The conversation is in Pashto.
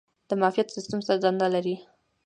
د معافیت سیستم څه دنده لري؟